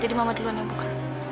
jadi mama duluan yang buka